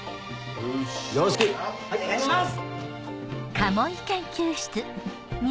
よろしく！お願いします！